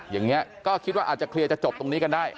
อย่างนี้ก็คิดว่าอาจจะเคลียร์จะจบตรงนี้กันได้